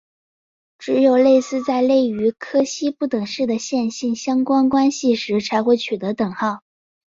只有存在类似于柯西不等式的线性相关关系时才会取得等号。